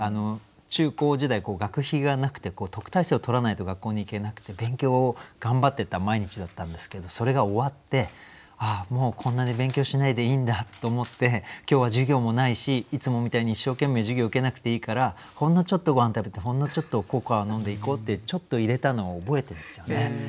中高時代学費がなくて特待生をとらないと学校に行けなくて勉強を頑張ってた毎日だったんですけどそれが終わって「ああもうこんなに勉強しないでいいんだ」と思って今日は授業もないしいつもみたいに一生懸命授業受けなくていいからほんのちょっとごはん食べてほんのちょっとココア飲んで行こうってちょっと入れたのを覚えてるんですよね。